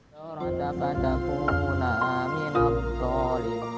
dari jawa ibu kota jawa tengah